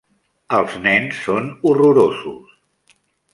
Els nens són horrorosos.